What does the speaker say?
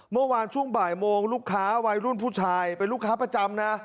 เมื่อวานช่วงบ่ายโมงลูกค้าวัยรุ่นผู้ชายเป็นลูกค้าประจำนะ